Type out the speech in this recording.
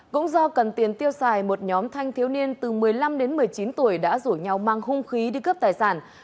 cũng do cần tiền tiêu xài một nhóm thanh thiếu niên từ một mươi năm đến một mươi chín tuổi đã rủ nhau mang hung khí đi cướp tài sản